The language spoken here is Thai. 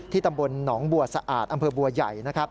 ที่ตำบลหนองบัวสะอาดอำเภอบัวใหญ่